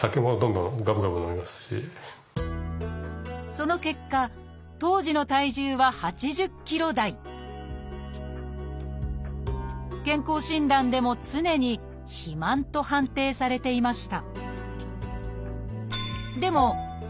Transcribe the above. その結果当時の健康診断でも常に「肥満」と判定されていました。